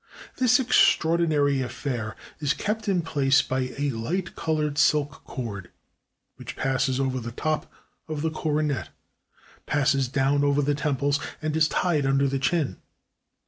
This extraordinary affair is kept in place by a light colored silk cord which, passing over the top of the "Coronet," passes down over the temples and is tied under the chin.